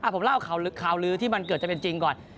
ผมเล่าข่าวลื้อที่มันเกิดจะเป็นจริงก่อน